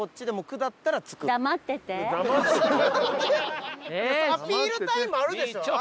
アピールタイムあるでしょ？